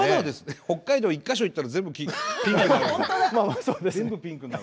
北海道は１か所いったら全部ピンクになる。